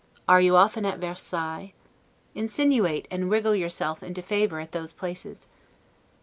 Are you often at Versailles? Insinuate and wriggle yourself into favor at those places.